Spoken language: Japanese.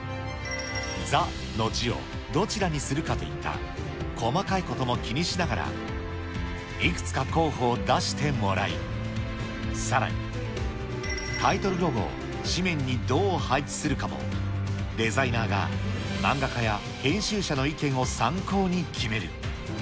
ざの字をどちらにするかといった細かいことも気にしながら、いくつか候補を出してもらい、さらにタイトルロゴを誌面にどう配置するかも、デザイナーが漫画家や編集者の意見を参考に決める。